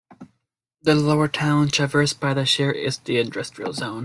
The lower town, traversed by the Cher, is the industrial zone.